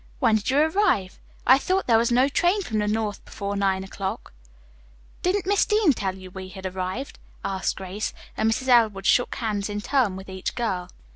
When did you arrive? I thought there was no train from the north before nine o'clock." "Didn't Miss Dean tell you we had arrived?" asked Grace, as Mrs. Elwood shook hands in turn with each girl.